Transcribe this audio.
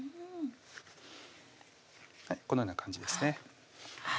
このような感じですね